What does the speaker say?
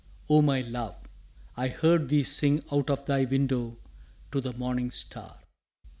Oh, my love, I heard thee sing Out of thy window to the morning star!